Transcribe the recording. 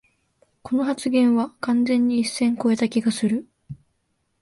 この発言は完全に一線こえた気がする